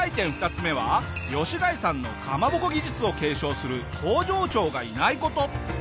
２つ目は吉開さんのかまぼこ技術を継承する工場長がいない事。